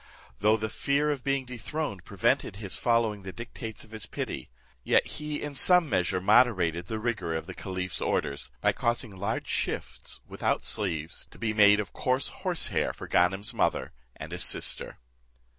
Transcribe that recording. Though the fear of being dethroned prevented his following the dictates of his pity, yet he in some measure moderated the rigour of the caliph's orders, by causing large shifts, without sleeves, to be made of coarse horse hair for Ganem's mother, and his sister.